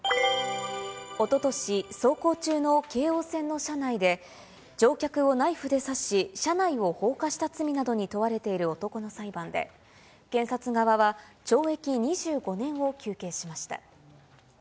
おととし、走行中の京王線の車内で、乗客をナイフで刺し、車内を放火した罪などに問われている男の裁判で、検察側は懲役２５年を求刑しました。